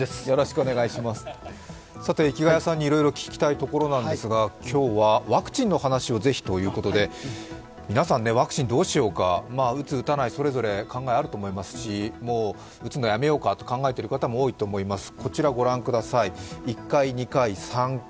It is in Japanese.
さて、池谷さんにいろいろ聞きたいところなんですが、今日はワクチンの話をぜひということで、皆さんワクチンどうしようか打つ打たない、それぞれ考えあると思いますし打つのやめようかと考えている方も多いと思います。